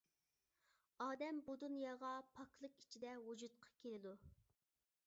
ئادەم بۇ دۇنياغا پاكلىق ئىچىدە ۋۇجۇدقا كېلىدۇ.